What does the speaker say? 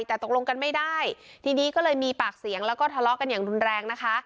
แต่ตกลงกันไม่ได้ทีนี้ก็เลยมีปากเสียงแล้วก็ทะเลาะกันอย่างรุนแรงนะคะ